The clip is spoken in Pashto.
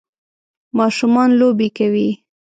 ماشومان لوبی کوی.